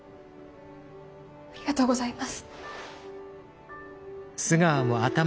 ありがとうございます。